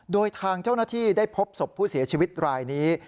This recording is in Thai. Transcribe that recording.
โดยทางเจ้าหน้าที่ได้พบศพผู้เสียชีวิตรายนี้